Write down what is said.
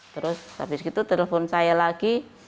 terus habis itu telepon saya lagi